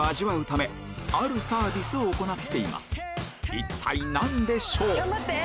一体何でしょう？